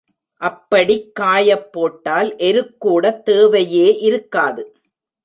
அப்படிக் காயப்போட்டால் எருக் கூடத் தேவையே இருக்காது.